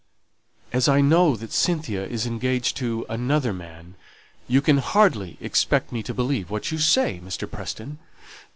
"As I know that Cynthia is engaged to another man, you can hardly expect me to believe what you say, Mr. Preston."